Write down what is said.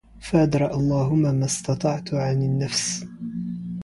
فادرأ الهم ما استطعت عن النفس